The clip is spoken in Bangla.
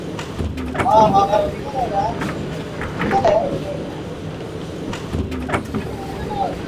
সংবিধান সংশোধন-সংক্রান্ত বিলটি পাস হওয়ার জন্য সেখানেও দুই-তৃতীয়াংশ আইণপ্রণেতার সমর্থন লাগবে।